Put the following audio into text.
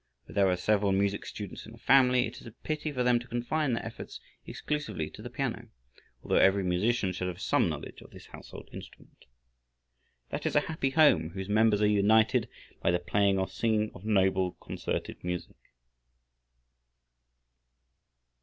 Where there are several music students in a family it is a pity for them to confine their efforts exclusively to the piano, although every musician should have some knowledge of this household instrument. That is a happy home whose members are united by the playing or singing of noble concerted music.